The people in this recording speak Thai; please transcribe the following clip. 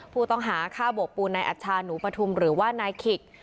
ผู้ต้องหาฆ่าโบกปูนนายอัชชาหนูปฐุมหรือว่านายขิก